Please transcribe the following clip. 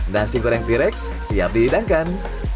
nasi goreng t rex siap dihidangkan